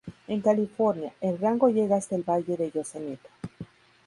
En California, el rango llega hasta el valle de Yosemite.